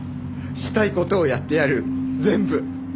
したい事をやってやる全部。